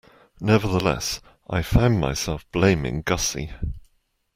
Nevertheless, I found myself blaming Gussie.